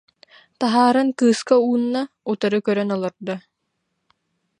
Таһааран кыыска уунна, утары көрөн олордо